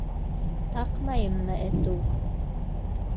Таҡмайыммы әтү?